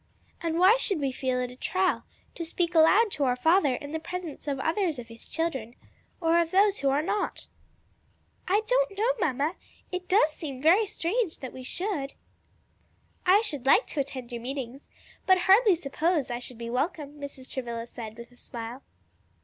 And why should we feel it a trial to speak aloud to our Father in the presence of others of his children, or of those who are not?" "I don't know, mamma; it does seem very strange that we should." "I should like to attend your meetings, but hardly suppose I should be welcome," Mrs. Travilla said with a smile.